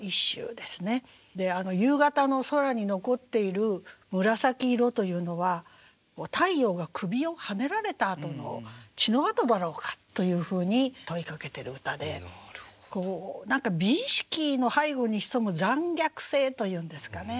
夕方の空に残っている紫色というのは太陽が首をはねられたあとの血の跡だろうかというふうに問いかけてる歌でこう何か美意識の背後に潜む残虐性というんですかね。